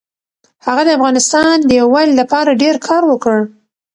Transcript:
هغه د افغانستان د یووالي لپاره ډېر کار وکړ.